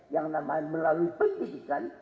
yang namanya melalui pendidikan